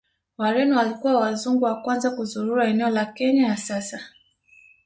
Wareno walikuwa Wazungu wa kwanza kuzuru eneo la Kenya ya sasa